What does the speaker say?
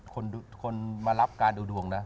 คนมารับการดูดวงนะ